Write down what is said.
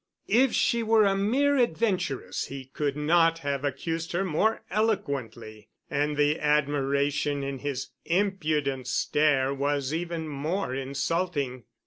If she were a mere adventuress he could not have accused her more eloquently and the admiration in his impudent stare was even more insulting.